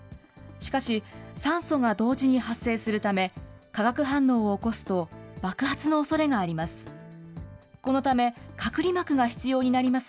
しかし、酸素が同時に発生するため、化学反応を起こすと爆発のおそれがあります。